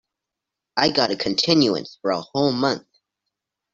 I got a continuance for a whole month.